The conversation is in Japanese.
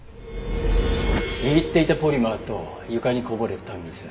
握っていたポリマーと床にこぼれた水。